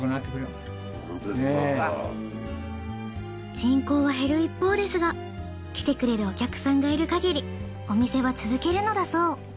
人口は減る一方ですが来てくれるお客さんがいる限りお店は続けるのだそう。